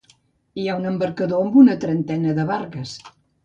Hi ha un embarcador amb una trentena de barques.